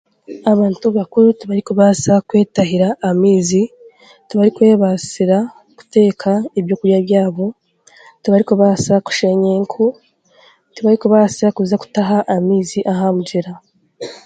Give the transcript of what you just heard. Abantu abakuru tibarikubaasa kwetahira amaizi, tibarikwebaasira kuteeka ebyokurya byabo, tibarikubaasa kusheenya enku, tibarikubaasa kuza kutaha amaizi aha mugyera